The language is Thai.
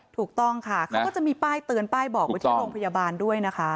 ถูกต้องค่ะเขาก็จะมีป้ายเตือนป้ายบอกไว้ที่โรงพยาบาลด้วยนะคะ